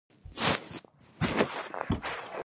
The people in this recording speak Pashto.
مهاجر راستنیدل غواړي